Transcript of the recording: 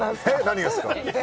何がですか？